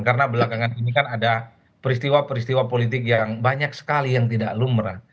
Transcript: karena belakangan ini kan ada peristiwa peristiwa politik yang banyak sekali yang tidak lumrah